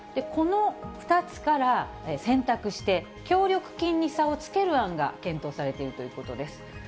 この２つから選択して協力金に差をつける案が検討されているということです。